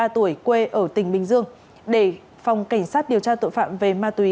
ba mươi tuổi quê ở tỉnh bình dương để phòng cảnh sát điều tra tội phạm về ma túy